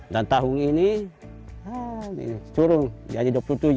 dan tahun ini turun jadi dua puluh tujuh